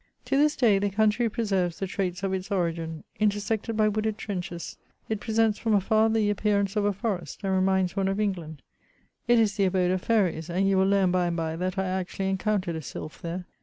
To this day the country preserves the traits of its origin ; intersected by wooded trenches, it presents fro^ afar the appearance of a forest, and reminds one of England It is the abode of fairies, and you will learn by and bye that I actually encountered a sylph there.